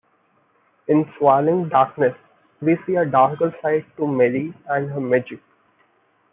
In "Swallowing Darkness", we see a darker side to Merry and her magic.